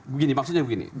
begini maksudnya begini